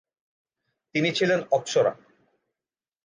তিনি ছিলেন অপ্সরা।